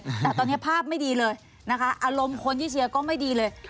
แต่ตอนนี้ภาพไม่ดีเลยนะคะอารมณ์คนที่เชียร์ก็ไม่ดีเลย